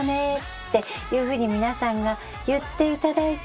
っていうふうに皆さんが言っていただいて。